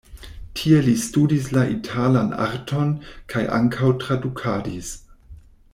Tie li studis la italan arton kaj ankaŭ tradukadis.